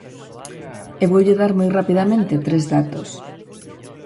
E voulle dar moi rapidamente tres datos.